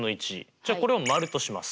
じゃあこれを○とします。